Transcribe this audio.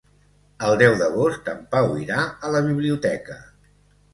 El deu d'agost en Pau irà a la biblioteca.